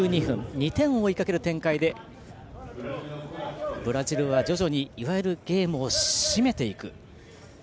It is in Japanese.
２点を追いかける展開でブラジルは徐々にいわゆるゲームを締めていく。